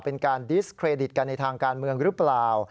เป็นการดิสเครดิตกันในทางการเมืองหรือเปล่า